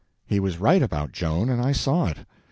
He was right about Joan, and I saw it.